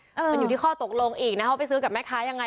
มันอยู่ที่ข้อตกลงอีกนะเขาไปซื้อกับแม่ค้ายังไง